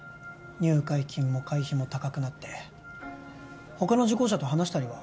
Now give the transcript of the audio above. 入会金も会費も高くなって他の受講者と話したりは？